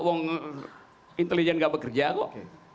wong intelijen gak bekerja kok